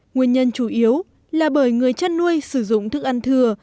nguyên nhân chủ yếu là bởi người chăn nuôi sử dụng thức ăn thừa